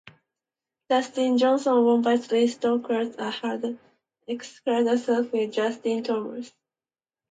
Dustin Johnson won by three strokes from Xander Schauffele and Justin Thomas.